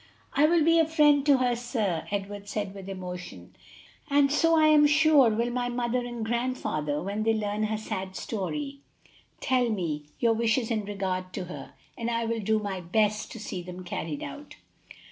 "I will be a friend to her, sir," Edward said with emotion, "and so I am sure will my mother and grandfather when they learn her sad story. Tell me your wishes in regard to her, and I will do my best to see them carried out."